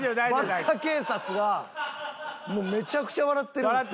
バルカ警察がめちゃくちゃ笑ってるんですよ。